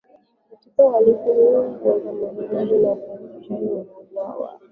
katika uhalifu huu wa kufanya mauaji ya kikatiri kwa hawa wanaodhaniwa ni wachawiWanaouwawa